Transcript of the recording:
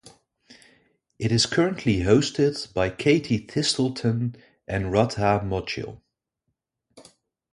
It is currently hosted by Katie Thistleton and Radha Modgil.